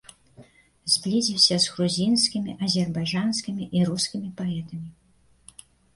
Зблізіўся з грузінскімі, азербайджанскімі і рускімі паэтамі.